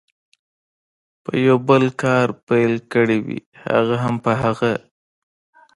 په یو بل کار پیل کړي وي، هغه هم په هغه.